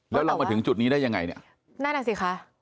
แล้วเรามาถึงจุดนี้ได้ยังไงเนี่ยนั่นอ่ะสิคะ